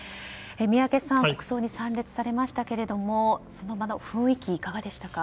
宮家さん国葬に参列されましたがその場の雰囲気はいかがでしたか。